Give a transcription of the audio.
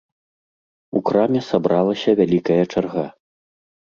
У краме сабралася вялікая чарга.